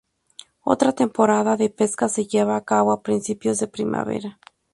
Otra temporada de pesca se lleva a cabo a principios de primavera.